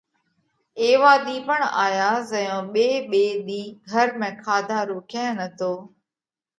ايوا ۮِي پڻ آيا زئيون ٻي ٻي ۮِي گھر ۾ کاڌا رو ڪئين نتو،